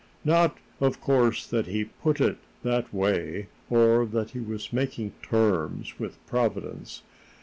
Not, of course, that he put it that way, or that he was making terms with Providence.